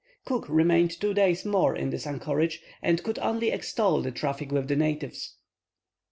Cook remained two days more in this anchorage and could only extol the traffic with the natives.